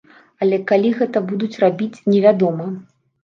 Але калі гэта будуць рабіць, невядома.